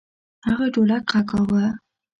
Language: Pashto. هغه ډولک غږاوه.